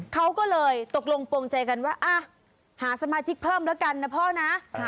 เขาก็เลยตกลงปวงใจกันว่าหาสมาชิกเพิ่มแล้วกันนะพ่อนะ